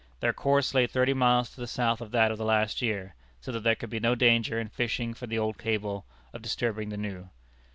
Their course lay thirty miles to the south of that of the last year, so that there could be no danger, in fishing for the old cable, of disturbing the new.